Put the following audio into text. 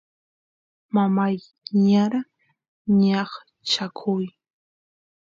mamay niyara ñaqchakuy